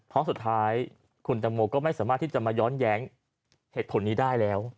เพราะสุดท้ายคุณตังโมก็ไม่สามารถที่จะมาย้อนแย้งเหตุผลนี้ได้แล้ว